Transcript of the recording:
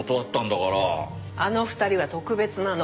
あの２人は特別なの。